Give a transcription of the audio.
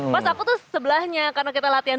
pas aku tuh sebelahnya karena kita latihan